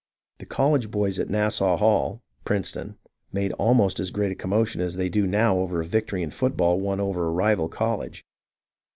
The college boys at Nassau Hall (Princeton) made al most as great a commotion as they do now over a victory in foot ball won from a rival college.